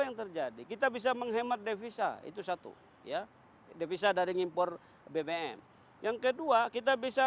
yang terjadi kita bisa menghemat devisa itu satu ya devisa dari ngimpor bbm yang kedua kita bisa